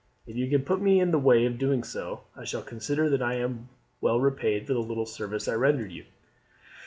If you can put me in the way of doing so I shall consider that I am well repaid for the little service I rendered you."